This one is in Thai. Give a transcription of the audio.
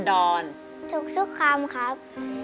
ทุกคำครับ